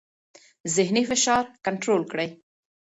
ذهني فشار کنټرول کړئ.